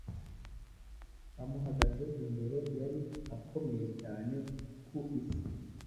amuhagaze imbere, yari akomeye cyane ku isi,